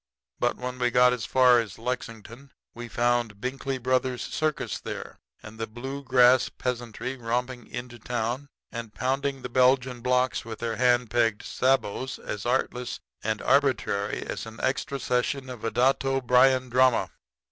But when we got as far as Lexington we found Binkley Brothers' circus there, and the blue grass peasantry romping into town and pounding the Belgian blocks with their hand pegged sabots as artless and arbitrary as an extra session of a Datto Bryan drama.